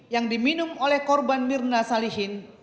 yang diminum oleh korban mirna salihin